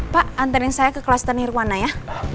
pak anterin saya ke kelas tenhirwana ya